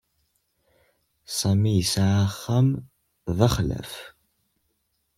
Sami yesɛa axxam d axlaf.